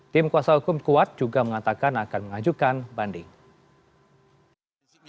tim kuasa hukum kuat juga mengatakan akan mengajukan banding